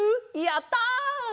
やった！